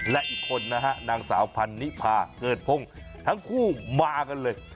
และอีกคนนะฮะนางสาวพันนิพาเกิดพงศ์ทั้งคู่มากันเลย